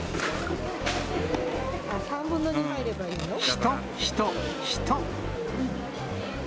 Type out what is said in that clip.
人、人、人。